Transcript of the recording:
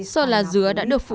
rồi lá dứa đã được phụ nữ